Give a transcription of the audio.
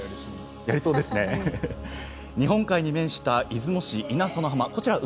日本海に面した出雲市・稲佐の浜。